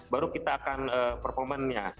baru kita akan performannya